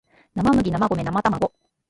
なまむぎなまごめなまたまご